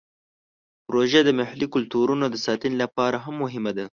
پروژه د محلي کلتورونو د ساتنې لپاره هم مهمه ده.